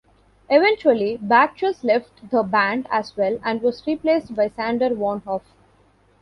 Eventually Bagchus left the band as well and was replaced by Sander van Hoof.